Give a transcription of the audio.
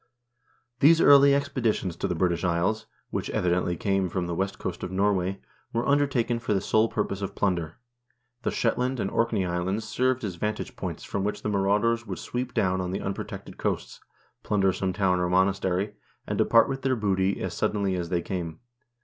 1 These early expeditions to the British Isles, which, evidently, came from the west coast of Norway, were undertaken for the sole purpose of plunder. The Shetland and Orkney Islands served as vantage points from which the marauders would sweep down on the unprotected coasts, plunder some town or monastery, and depart with their booty as suddenly as they came.